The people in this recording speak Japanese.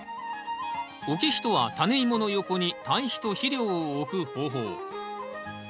置き肥とはタネイモの横に堆肥と肥料を置く方法。